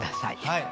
はい。